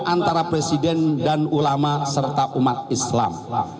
antara presiden dan ulama serta umat islam